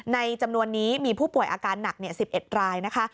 จำนวนนี้มีผู้ป่วยอาการหนัก๑๑รายนะคะ